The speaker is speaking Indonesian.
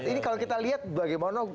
ini kalau kita lihat bagaimana